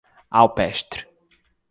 Alpestre